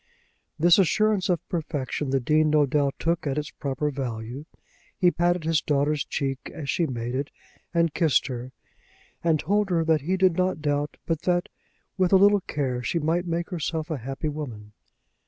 This assurance of perfection the Dean no doubt took at its proper value. He patted his daughter's cheek as she made it, and kissed her, and told her that he did not doubt but that with a little care she might make herself a happy woman.